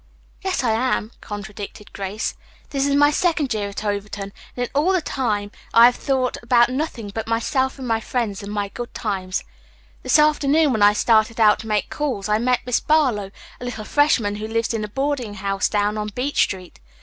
"Yes, I am," contradicted Grace. "This is my second year at Overton and in all the time I've been here I have thought about nothing but myself and my friends and my good times. This afternoon when I started out to make calls I met Miss Barlow, a little freshman who lives in a boarding house down on Beech Street.